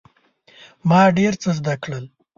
ما ډیر څه زده کړل.